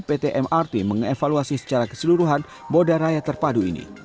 pt mrt mengevaluasi secara keseluruhan moda raya terpadu ini